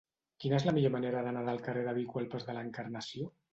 Quina és la millor manera d'anar del carrer de Vico al pas de l'Encarnació?